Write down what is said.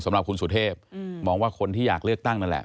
สำหรับคุณสุเทพมองว่าคนที่อยากเลือกตั้งนั่นแหละ